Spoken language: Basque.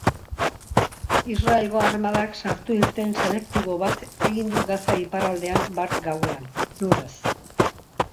Israelgo armadak sartu-irten «selektibo bat» egin du Gaza iparraldean bart gauean, lurrez.